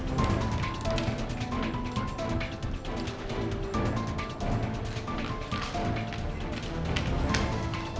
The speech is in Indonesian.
jadi apaan ini bring